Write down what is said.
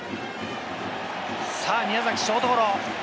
宮崎、ショートゴロ。